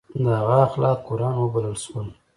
د هغه اخلاق قرآن وبلل شول.